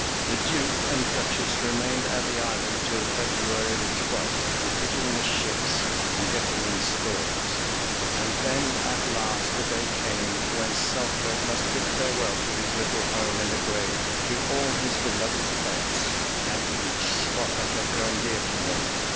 The Duke and Duchess remained at the island till February the twelfth refitting the ships and getting in stores, and then at last the day came when Selkirk must bid farewell to his little home in the glade, to all his beloved pets, and each spot that had grown dear to him.